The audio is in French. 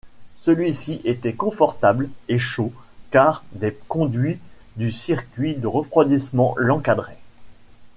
Celui-ci était confortable et chaud, car des conduits du circuit de refroidissement l'encadraient.